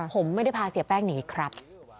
ผมไม่ได้พาเสียแป้งหนีครับ